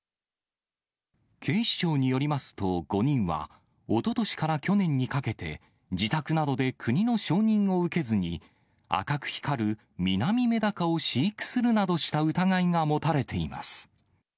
警視庁によりますと、５人は、おととしから去年にかけて、自宅などで国の承認を受けずに、赤く光るミナミメダカを飼育するなどした疑いが持たれています。